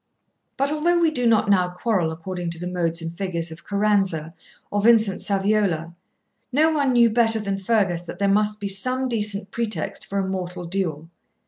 But although we do not now quarrel according to the modes and figures of Caranza or Vincent Saviola, no one knew better than Fergus that there must be some decent pretext for a mortal duel.